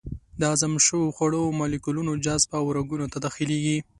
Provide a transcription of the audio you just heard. د هضم شوو خوړو مالیکولونه جذب او رګونو ته داخلېږي.